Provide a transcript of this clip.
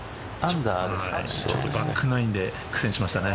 バックナインで苦戦しましたね。